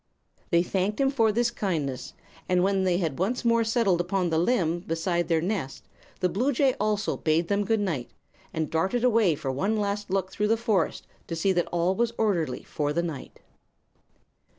They thanked him for this kindness, and when they had once more settled upon the limb beside their nest the bluejay also bade them good night and darted away for one last look through the forest to see that all was orderly for the night.